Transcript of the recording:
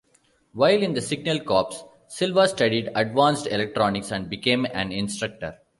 While in the Signal Corps, Silva studied advanced electronics and became an instructor.